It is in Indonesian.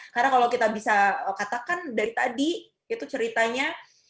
karena kalau kita bisa katakan dari tadi itu ceritanya